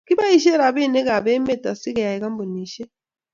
keboishe robinikab emet asigeyai kampunishek